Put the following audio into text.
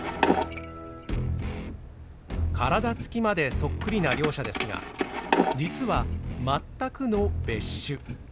体つきまでそっくりな両者ですが実は全くの別種。